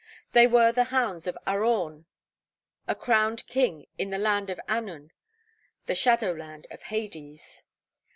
' They were the hounds of Arawn, a crowned king in the land of Annwn, the shadow land of Hades.